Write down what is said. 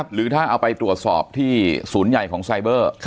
หรือถ้าเอาไปตรวจสอบที่ศูนย์ใหญ่ของไซเบอร์